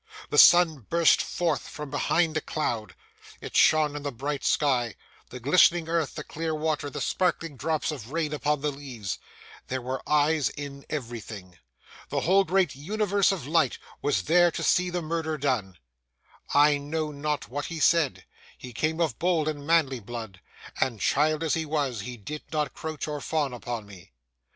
The sun burst forth from behind a cloud; it shone in the bright sky, the glistening earth, the clear water, the sparkling drops of rain upon the leaves. There were eyes in everything. The whole great universe of light was there to see the murder done. I know not what he said; he came of bold and manly blood, and, child as he was, he did not crouch or fawn upon me.